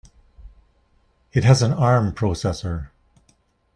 It has an Arm processor.